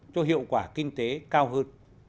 cho hiệu quả kinh tế cao hơn